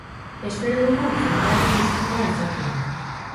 Espero dugu jendearen gustukoa izatea!